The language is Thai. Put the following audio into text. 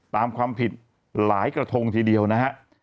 ตามความผิดหลายกระทงทีเดียวนะฮะ